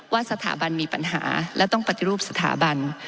สถาบันมีปัญหาและต้องปฏิรูปสถาบัน